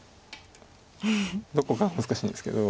どこかは難しいんですけど。